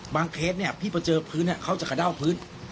เคสเนี่ยพี่พอเจอพื้นเขาจะกระเด้าพื้น